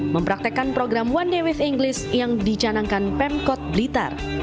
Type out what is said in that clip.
mempraktekan program one day with inggris yang dicanangkan pemkot blitar